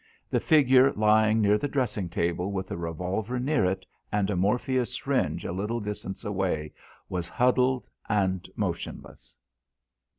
The figure lying near the dressing table with a revolver near it, and a morphia syringe a little distance away, was huddled and motionless.